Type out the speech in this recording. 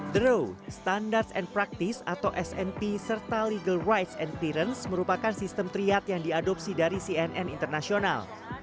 the row standards and practice atau smp serta legal rights and clearance merupakan sistem triat yang diadopsi dari cnn internasional